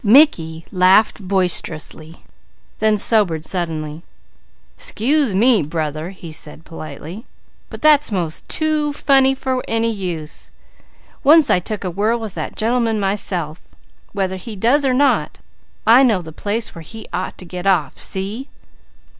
Mickey laughed boisterously, then sobered suddenly. "'Scuse me, Brother," he said politely, "but that's most too funny for any use. Once I took a whirl with that gentleman myself. Whether he does or not, I know the place where he ought to get off. See?